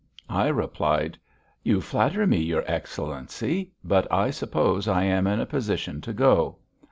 I replied: "You flatter me, your Excellency, but I suppose I am in a position to go."